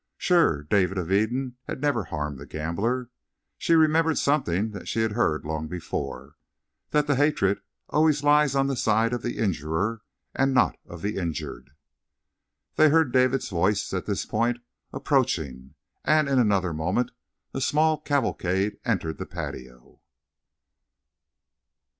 Sure David of Eden had never harmed the gambler. She remembered something that she had heard long before: that the hatred always lies on the side of injurer and not of the injured. They heard David's voice, at this point, approaching, and in another moment a small cavalcade entered the patio.